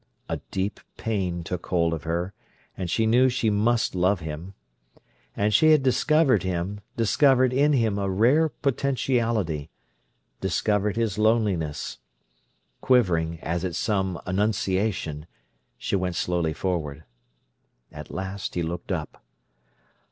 A deep pain took hold of her, and she knew she must love him. And she had discovered him, discovered in him a rare potentiality, discovered his loneliness. Quivering as at some "annunciation", she went slowly forward. At last he looked up.